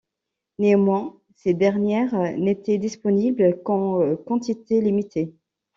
Néanmoins, ces dernières n’étaient disponibles qu’en quantités limitées.